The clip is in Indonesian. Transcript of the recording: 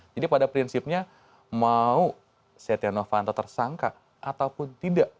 jadi pada prinsipnya mau setia novanto tersangka ataupun tidak